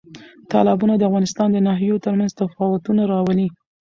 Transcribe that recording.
تالابونه د افغانستان د ناحیو ترمنځ تفاوتونه راولي.